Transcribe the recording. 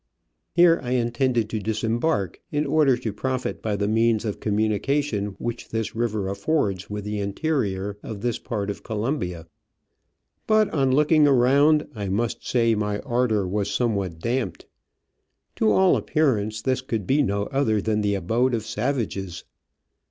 Here I intended to disembark, in order to profit by the means of communication which this river affords with the interior of this part of Colombia, but on looking around I must say my ardour was some what damped. To all appearance this could be no other than the abode of savages.